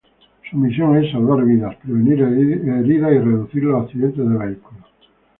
Su misión es "Salvar vidas, prevenir heridas y reducir los accidentes de vehículos".